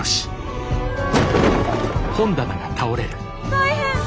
大変！